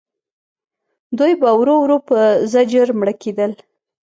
دوی به ورو ورو په زجر مړه کېدل.